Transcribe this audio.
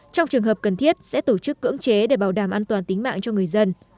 trong trường hợp cần thiết sẽ tổ chức cưỡng chế để bảo đảm an toàn tính mạng cho người dân